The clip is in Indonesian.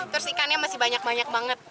terus ikannya masih banyak banyak banget